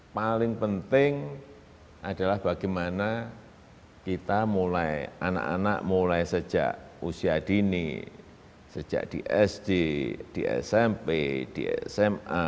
paling penting adalah bagaimana kita mulai anak anak mulai sejak usia dini sejak di sd di smp di sma